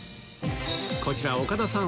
こちら岡田さん